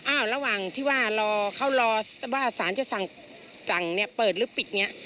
ระหว่างที่ว่ารอเขารอว่าสารจะสั่งเนี่ยเปิดหรือปิดเนี่ย